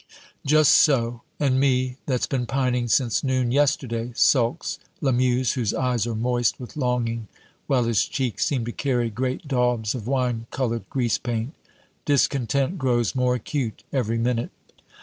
"Just so, and me that's been pining since noon yesterday," sulks Lamuse, whose eyes are moist with longing, while his cheeks seem to carry great daubs of wine colored grease paint. Discontent grows more acute every minute.